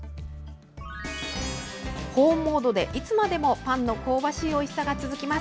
保温モードでいつまでもパンの香ばしいおいしさが続きます。